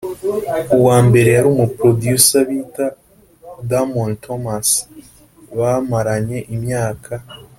uwambere yari umu producer bita Damon Thomas bamaranye imyaka